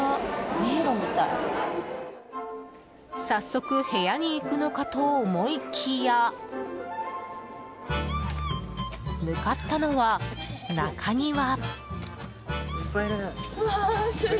早速部屋に行くのかと思いきや向かったのは中庭。